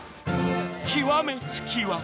［極め付きは］